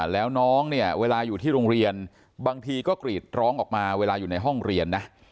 แล้วน้องเนี่ยเวลาอยู่ที่โรงเรียนบางทีก็กรีดร้องออกมาเวลาอยู่ในห้องเรียนนะ